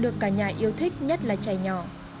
được cả nhà yêu thích nhất là chè nhỏ